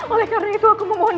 oleh karena itu aku mohon